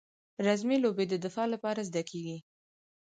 رزمي لوبې د دفاع لپاره زده کیږي.